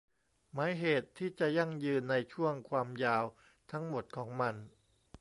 หมายเหตุที่จะยั่งยืนในช่วงความยาวทั้งหมดของมัน